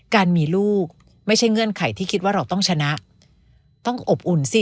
การมีลูกไม่ใช่เงื่อนไขที่คิดว่าเราต้องชนะต้องอบอุ่นสิ